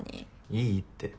いいって。